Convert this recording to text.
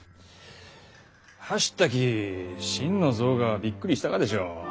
走ったき心の臓がびっくりしたがでしょう。